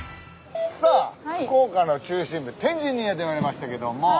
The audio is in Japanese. さあ福岡の中心部天神にやってまいりましたけども。